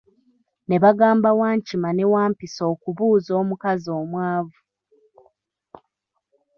Ne bagamba Wankima ne Wampisi okubuuza omukazi omwavu.